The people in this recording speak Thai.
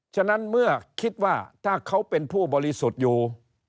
ฉะนั้นเมื่อคิดว่าถ้าเขาเป็นผู้บริสุทธิ์อยู่